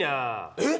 えっ！？